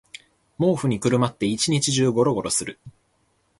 毛布にくるまって一日中ゴロゴロする